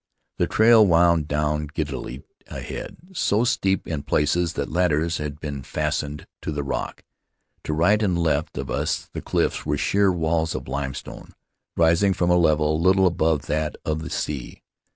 The trail wound down giddily ahead — so steep in places that ladders had been fastened to the rock. To right and left of us the cliffs were sheer walls of limestone, rising from a level little above that of the sea.